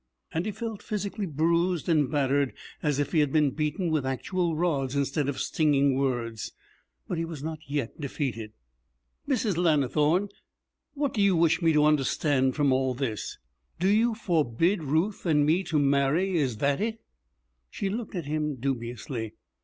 And he felt physically bruised and battered, as if he had been beaten with actual rods instead of stinging words; but he was not yet defeated. 'Mrs. Lannithorne, what do you wish me to understand from all this. Do you forbid Ruth and me to marry is that it?' She looked at him dubiously.